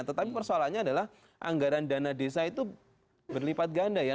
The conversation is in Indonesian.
tetapi persoalannya adalah anggaran dana desa itu berlipat ganda ya